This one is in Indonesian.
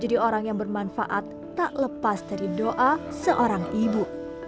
jadi orang yang bermanfaat tak lepas dari doa seorang ibu